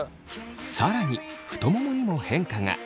更に太ももにも変化が。